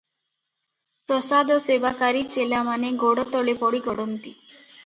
ପ୍ରସାଦସେବାକାରୀ ଚେଲାମାନେ ଗୋଡ଼ତଳେ ପଡ଼ି ଗଡ଼ନ୍ତି ।